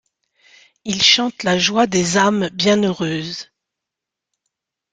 Il chante la joie des âmes bienheureuses.